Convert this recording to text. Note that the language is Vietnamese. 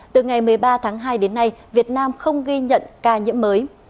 từ ngày một mươi ba tháng hai đến nay việt nam không ghi nhận ca nhiễm mới